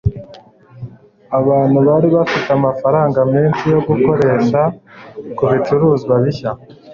abantu bari bafite amafaranga menshi yo gukoresha kubicuruzwa bishya